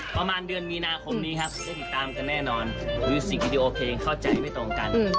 ประมาณเดือนมีนาคมนี้ครับได้ติดตามกันแน่นอนมิวสิกวิดีโอเพลงเข้าใจไม่ตรงกัน